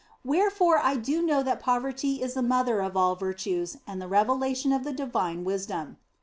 Wherefore do I know that poverty is the mother of all virtues and the revelation of the divine wisdom.